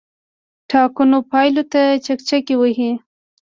ټاکنو پایلو ته چکچکې وهي.